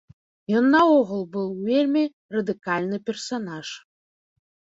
Ён наогул быў вельмі радыкальны персанаж.